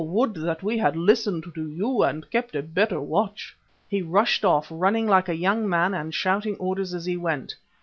would that we had listened to you and kept a better watch!" He rushed off, running like a young man and shouting orders as he went.